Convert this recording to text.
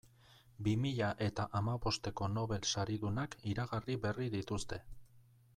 Bi mila eta hamabosteko Nobel saridunak iragarri berri dituzte.